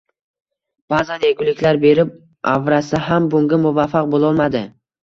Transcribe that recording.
ba'zan yeguliklar berib avrasa ham bunga muvaffaq bo'lolmadi.